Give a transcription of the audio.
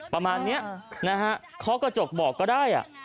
ประมาณนี้เค้ากระจกบอกก็ได้